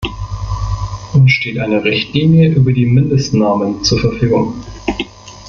Uns steht eine Richtlinie über die Mindestnormen zur Verfügung.